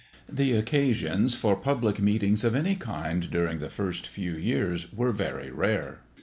The occasions for public meetings of any kind during the first few years were very rare.